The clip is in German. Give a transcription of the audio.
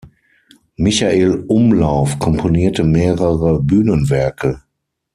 Michael Umlauf komponierte mehrere Bühnenwerke.